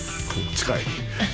近い。